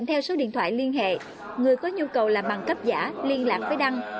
theo số điện thoại liên hệ người có nhu cầu làm bằng cấp giả liên lạc với đăng